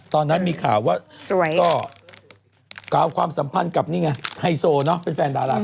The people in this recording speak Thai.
ตอนนั้นมีข่าวว่าก็กล่าวความสัมพันธ์กับนี่ไงไฮโซเนอะเป็นแฟนดารา